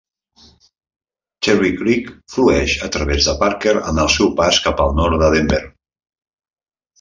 Cherry Creek flueix a través de Parker en el seu pas cap al nord de Denver.